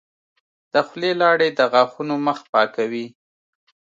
د خولې لاړې د غاښونو مخ پاکوي.